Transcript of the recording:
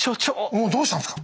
おっどうしたんですか？